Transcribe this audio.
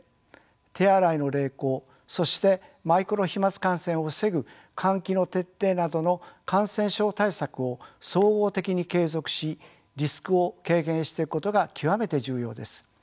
手洗いの励行そしてマイクロ飛まつ感染を防ぐ換気の徹底などの感染症対策を総合的に継続しリスクを軽減していくことが極めて重要です。